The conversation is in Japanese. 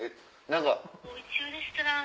何か。